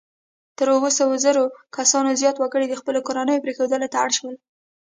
تر اووه سوه زره کسانو زیات وګړي د خپلو کورنیو پرېښودلو ته اړ شول.